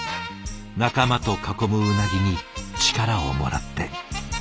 仲間と囲むうなぎに力をもらって。